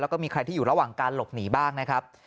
แล้วก็มีใครที่อยู่ระหว่างการหลบหนีบ้างนะครับ